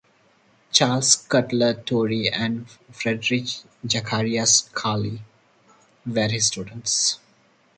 Charles Cutler Torrey and Friedrich Zacharias Schwally were his students.